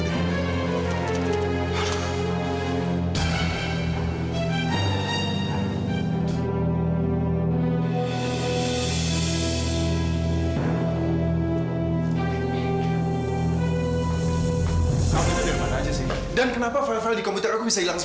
kok bisa ada di tas kamu